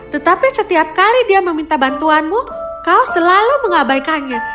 tetapi setiap kali dia meminta bantuanmu kau selalu mengabaikannya